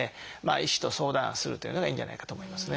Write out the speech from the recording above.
医師と相談するっていうのがいいんじゃないかなと思いますね。